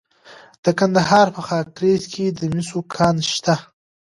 د کندهار په خاکریز کې د مسو کان شته.